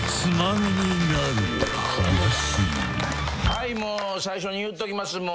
はいもう最初に言っときます。